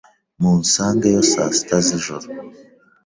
Munsangeyo saa sita z'ijoro.